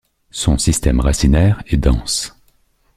Son système racinaire est dense.